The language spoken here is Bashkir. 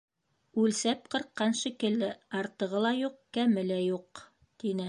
Үлсәп ҡырҡҡан шикелле — артығы ла юҡ, кәме лә юҡ, — тине.